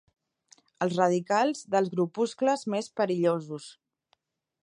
Els radicals dels grupuscles més perillosos.